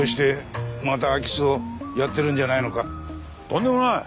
とんでもない！